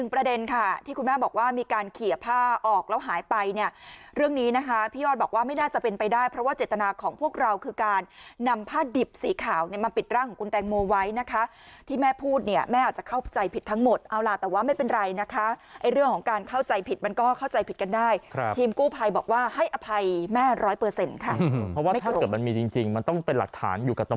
ไปได้เพราะว่าเจตนาของพวกเราคือการนำผ้าดิบสีขาวมาปิดร่างของคุณแตงโมไว้นะคะที่แม่พูดเนี่ยแม่อาจจะเข้าใจผิดทั้งหมดเอาล่ะแต่ว่าไม่เป็นไรนะคะเรื่องของการเข้าใจผิดมันก็เข้าใจผิดกันได้ทีมกู้ภัยบอกว่าให้อภัยแม่ร้อยเปอร์เซ็นต์ค่ะเพราะว่าถ้าเกิดมันมีจริงมันต้องเป็นหลักฐานอยู่